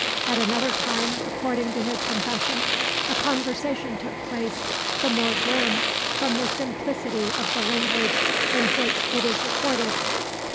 At another time, according to his confession, a conversation took place the more grim from the simplicity of the language in which it is recorded.